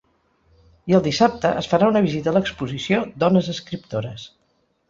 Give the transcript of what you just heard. I el dissabte es farà una visita a l’exposició ‘Dones escriptores’.